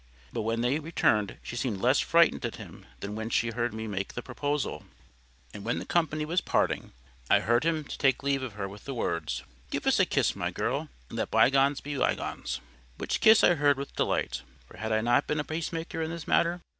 But when they returned, she seemed less frightened at him than when she heard me make the proposal. And when the company was parting, I heard him take leave of her with the words— "Give us a kiss, my girl, and let bygones be bygones." Which kiss I heard with delight. For had I not been a peacemaker in this matter?